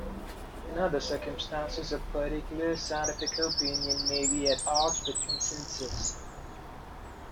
In other circumstances, a particular scientific opinion may be at odds with consensus.